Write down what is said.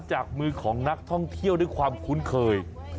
จากมือของนักท่องเที่ยวด้วยความคุ้นเคย